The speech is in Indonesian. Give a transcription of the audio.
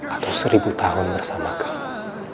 atau seribu tahun bersama kami